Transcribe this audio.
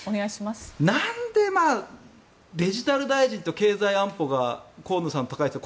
なんでデジタル大臣と経済安保が河野さん、高市さん。